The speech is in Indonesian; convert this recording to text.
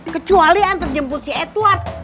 kecuali antar jemput si edward